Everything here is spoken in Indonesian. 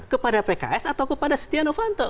kepada pks atau kepada setia novanto